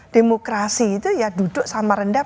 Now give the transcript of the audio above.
demokrasi itu ya duduk sama rendah